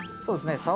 そうですね